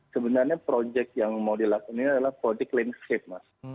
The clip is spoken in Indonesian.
sebenarnya proyek yang mau dilakukannya adalah proyek landscape mas